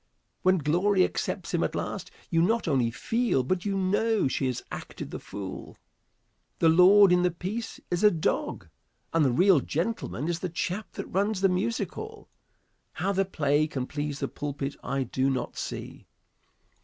When Glory accepts him at last, you not only feel, but you know she has acted the fool. The lord in the piece is a dog, and the real gentleman is the chap that runs the music hall. How the play can please the pulpit I do not see.